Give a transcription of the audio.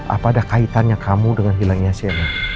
apa ada kaitannya kamu dengan hilangnya cnn